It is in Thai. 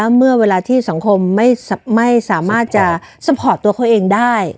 เวลาที่สังคมไม่สามารถควบคุมตัวเองได้